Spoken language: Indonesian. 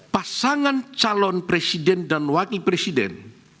pasangan calon presiden dan wakil presiden